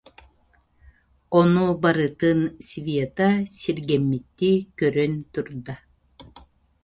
Ону барытын Света сиргэммиттии көрөн турда: